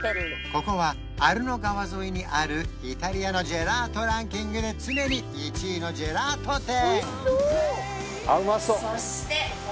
ここはアルノ川沿いにあるイタリアのジェラートランキングで常に１位のジェラート店